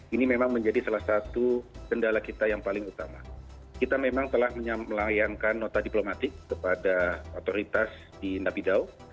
ini memang menjadi salah satu kendala kita yang paling utama kita memang telah melayangkan nota diplomatik kepada otoritas di nabi dau